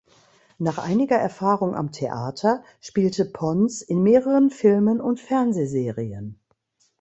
Nach einiger Erfahrung am Theater spielte Pons in mehreren Filmen und Fernsehserien.